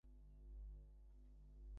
তুমি কেবল নিজেকে ভালোবাসো।